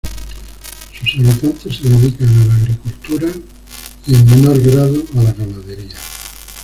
Sus habitantes se dedican a la agricultura y en menor grado a la ganadería.